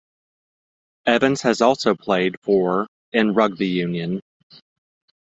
Evans has also played for in rugby union.